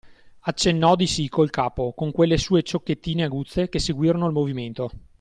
Accennò di sì, col capo, con quelle sue ciocchettine aguzze, che seguirono il movimento.